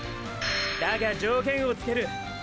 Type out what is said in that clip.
だが条件をつける。